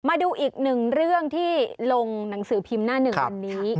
มาดูอีกหนึ่งเรื่องที่ลงหนังสือพิมพ์หน้าหนึ่งวันนี้